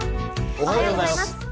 おはようございます。